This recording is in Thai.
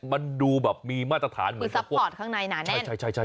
มันดูแบบมีมาตรฐานเหมือนพวกคือซัพพอร์ตข้างในน่ะแน่น